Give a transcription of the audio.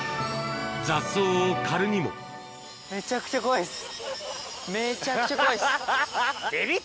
雑草を刈るにもめちゃくちゃ怖いです。